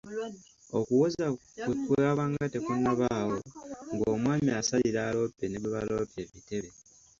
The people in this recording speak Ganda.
"Okuwoza bwe kwabanga tekunnaabaawo, ng’omwami asalira aloopye ne gwe baloopye ebitebe."